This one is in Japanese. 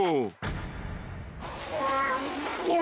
こんにちは。